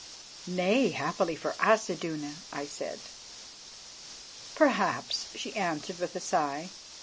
"Nay, happily for us, Iduna," I said. "Perhaps," she answered with a sigh.